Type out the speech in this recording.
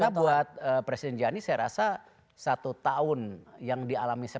karena buat presiden gianni saya rasa satu tahun yang dialami sepak bola